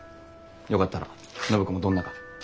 よかったら暢子もどんなか？